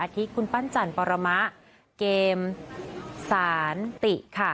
ที่คุณปั้นจันปรมะเกมสานติค่ะ